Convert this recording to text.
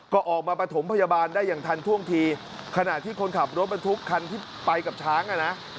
ก็ออกมาประถมพยาบาลได้อย่างทันท่วงทีขณะที่คนขับรถบรรทุกคันที่ไปกับช้างอ่ะนะ